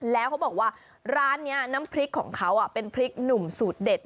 แล้วเขาบอกว่าร้านนี้น้ำพริกของเขาเป็นพริกหนุ่มสูตรเด็ด